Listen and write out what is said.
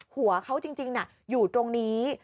หัวเขาจริงอยู่ตรงนี้